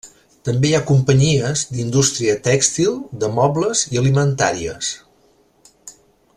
També hi ha companyies d'indústria tèxtil, de mobles i alimentàries.